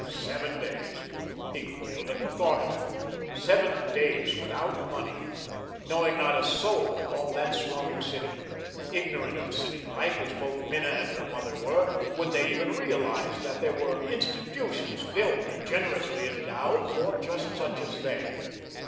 Seven days! He quailed at the thought of it. Seven days without money, knowing not a soul in all that swarming city. Ignorant of city life as both Minna and her mother were, would they even realise that there were institutions built and generously endowed for just such as they?